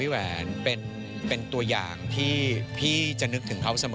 พี่ว่าความมีสปีริตของพี่แหวนเป็นตัวอย่างที่พี่จะนึกถึงเขาเสมอ